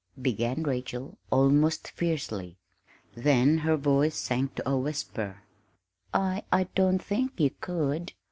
began Rachel almost fiercely. Then her voice sank to a whisper; "I I don't think you could."